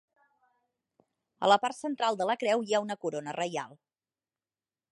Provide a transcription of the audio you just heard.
A la part central de la creu hi ha una corona reial.